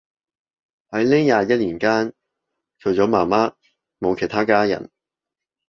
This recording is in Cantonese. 喺呢廿一年間，除咗媽媽冇其他家人